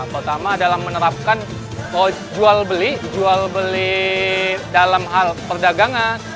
pertama adalah menerapkan jual beli jual beli dalam hal perdagangan